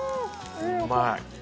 うまい。